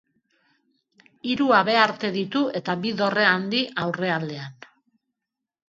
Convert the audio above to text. Hiru habearte ditu eta bi dorre handi aurrealdean.